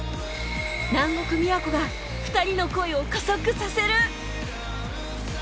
南国宮古が２人の恋を加速させる！